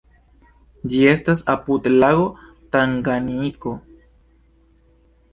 Ĝi estas apud lago Tanganjiko.